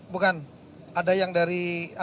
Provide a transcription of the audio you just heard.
bukan ada yang dari